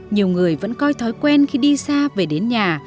nhiều người vẫn coi thói quen khi đi xa về đến nhà